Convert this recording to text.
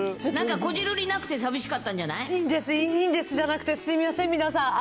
なんか、こじるりなくて寂しいいんです、いいんですじゃなくて、すみません、皆さん。